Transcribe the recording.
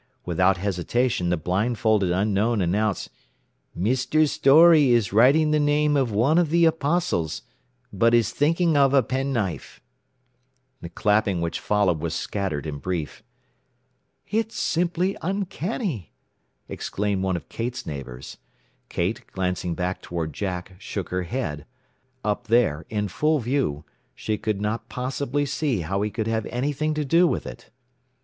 Without hesitation the blindfolded unknown announced, "Mr. Storey is writing the name of one of the Apostles, but is thinking of a penknife." The clapping which followed was scattered and brief. "It's simply uncanny," exclaimed one of Kate's neighbors. Kate, glancing back toward Jack, shook her head. Up there, in full view, she could not possibly see how he could have anything to do with it.